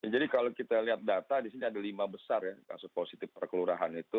jadi kalau kita lihat data di sini ada lima besar kasus positif per kelurahan itu